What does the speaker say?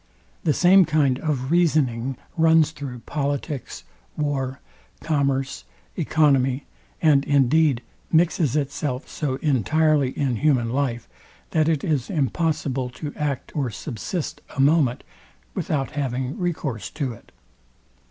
The same kind of reasoning runs through politics, war, commerce, economy, and indeed mixes itself so entirely in human life, that it is impossible to act or subsist a moment without having recourse to it.